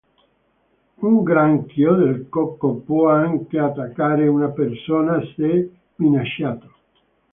Un granchio del cocco può anche attaccare una persona se minacciato.